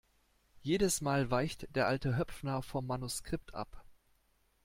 Jedes Mal weicht der alte Höpfner vom Manuskript ab!